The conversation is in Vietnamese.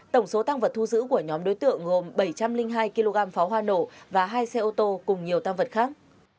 tổng số tăng vật thu giữ của nhóm đối tượng gồm bảy trăm linh hai kg pháo hoa nổ và hai xe ô tô cùng nhiều tăng vật khác